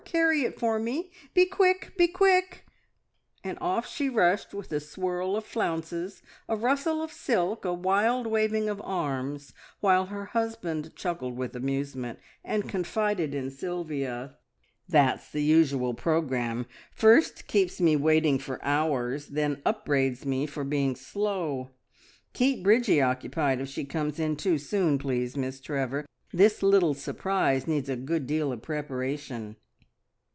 Carry it for me. Be quick! be quick!" and off she rushed with a swirl of flounces, a rustle of silk, a wild waving of arms, while her husband chuckled with amusement, and confided in Sylvia "That's the usual programme! First keeps me waiting for hours, and then upbraids me for being slow. Keep Bridgie occupied if she comes in too soon, please, Miss Trevor. This little surprise needs a good deal of preparation."